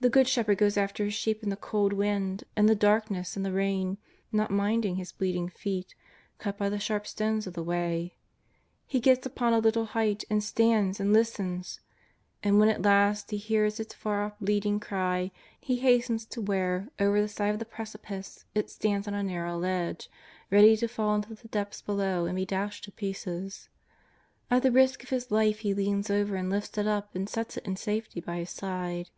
The good shepherd goes after his sheep in the cold wind and the darkness and the rain, not minding his bleeding feet, cut by the sharp stones of the way. He gets upon a little height, and stands, and listens! And, when at last he hears its far off bleating cry, he hastens to where, over the side of the precipice, it stands on a narrow ledge, ready to fall into the depths below and be dashed to pieces. At the risk of his life he leans over and lifts it up and sets it in safety by his side.